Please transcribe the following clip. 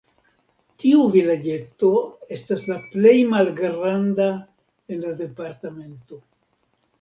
Tiu vilaĝeto estas la plej malgranda en la departemento.